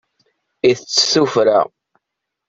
Itett s tuffra.